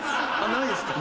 ないですか。